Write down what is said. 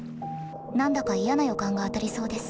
何だか嫌な予感が当たりそうです。